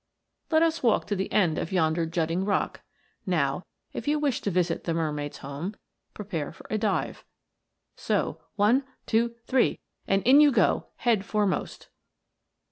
Let us walk to the end of yonder jutting rock. ~Now, if you wish to visit the mermaid's home, prepare for a dive, so one, two, three and in you go head foremost